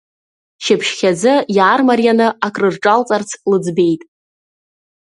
Шьыбжьхьазы иаармарианы акрырҿалҵарц лыӡбеит.